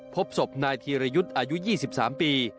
พบศพนายธีรยุทธ์อายุ๒๓ปี